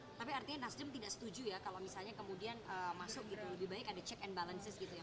oke tapi artinya nasdem tidak setuju ya kalau misalnya kemudian masuk gitu lebih baik ada check and balances gitu ya